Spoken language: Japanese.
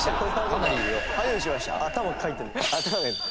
頭かいてる。